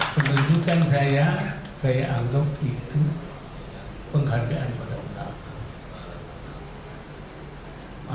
penunjukan saya saya anggap itu penghargaan pada ulama